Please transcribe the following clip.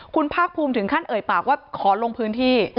คุณภาคภูมิถึงขั้นเอ่ยปากว่าขอลงพื้นที่